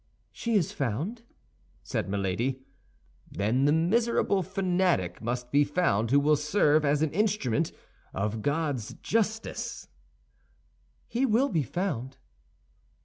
"She is found," said Milady. "Then the miserable fanatic must be found who will serve as an instrument of God's justice." "He will be found."